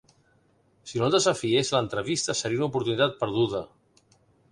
Si no el desafiés, l'entrevista seria una oportunitat perduda.